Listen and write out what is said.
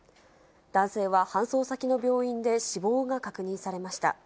男性は搬送先の病院で死亡が確認されました。